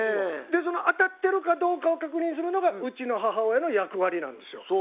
その当たってるかどうかを確認するのがうちの母親の役割なんですよ。